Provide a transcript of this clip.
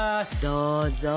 どうぞ。